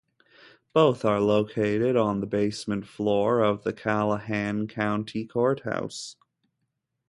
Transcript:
Both are located on the basement floor of the Callahan County Courthouse.